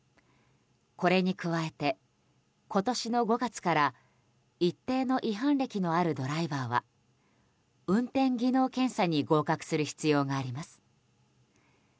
これに加えて、今年の５月から一定の違反歴のあるドライバーは運転技能検査に合格する必要があります。